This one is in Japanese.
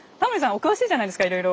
お詳しいじゃないですかいろいろ。